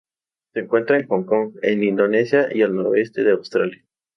Se encuentra en Hong Kong, en Indonesia y al noroeste de Australia.